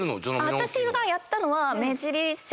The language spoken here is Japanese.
私がやったのは。